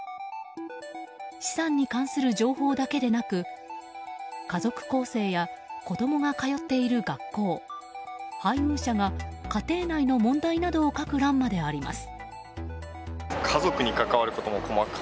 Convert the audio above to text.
資産に関する情報だけでなく家族構成や子供が通っている学校配偶者が家庭内の問題などを書く欄まであります。